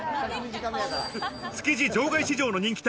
築地場外市場の人気店